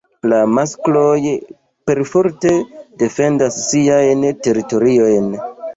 La maskloj perforte defendas siajn teritoriojn.